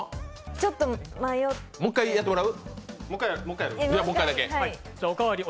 ちょっと迷ってもう１回やってもらう？